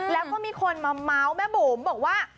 แล้วก็มีคนมาเมาส์แม่บุ๋มบอกว่า